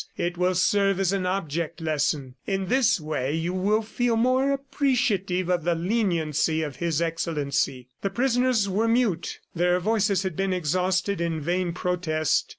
It will serve as an object lesson. In this way, you will feel more appreciative of the leniency of His Excellency." The prisoners were mute. Their voices had been exhausted in vain protest.